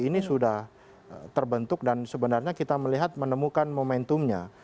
ini sudah terbentuk dan sebenarnya kita melihat menemukan momentumnya